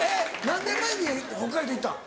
何年前に北海道行ったん？